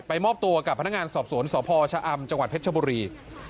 มอบตัวกับพนักงานสอบสวนสพชะอำจังหวัดเพชรชบุรี